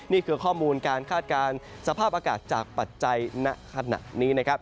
นี่คือข้อมูลการคาดการณ์สภาพอากาศจากปัจจัยณขณะนี้นะครับ